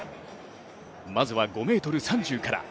まずは５ｍ３０から。